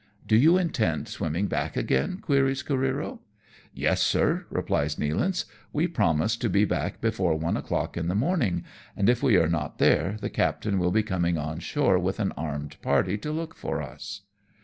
" Do you intend swimming back again ?" queries Careero. " Yes, sir," replies Nealance. " We promised to be back before one o'clock in the morning, and if we are not there, the captain will be coming on shore with an armed party to look for us."